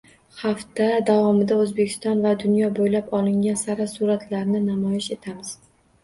Haftda davomida O‘zbekiston va dunyo bo‘ylab olingan sara suratlarni namoyish etamiz